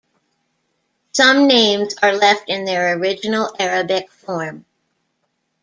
Some names are left in their original Arabic form.